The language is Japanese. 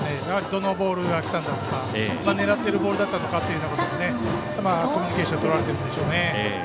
どのボールが来たんだとか狙っているボールだったのかとコミュニケーションをとられているんでしょうね。